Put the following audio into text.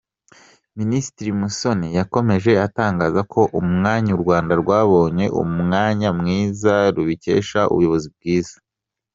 Minisitiri Musoni yakomeje atangaza ko umwanya u Rwanda rwabonye umwanya mwiza rubikesha ubuyobozi bwiza.